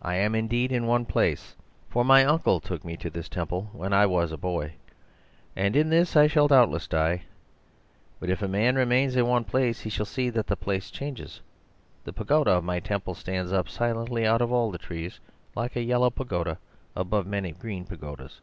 I am indeed in one place, for my uncle took me to this temple when I was a boy, and in this I shall doubtless die. But if a man remain in one place he shall see that the place changes. The pagoda of my temple stands up silently out of all the trees, like a yellow pagoda above many green pagodas.